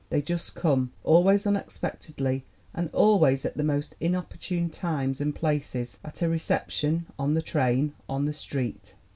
They just come, always unex pectedly and always at the most inopportune times and places at a reception, on the train, on the street."